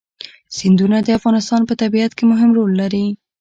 سیندونه د افغانستان په طبیعت کې مهم رول لري.